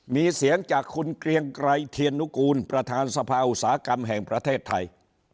มีเสียงจากคุณเกรียงไกรเทียนุกูลประธานสภาอุตสาหกรรมแห่งประเทศไทย